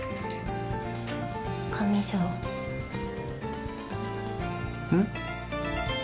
上条うん？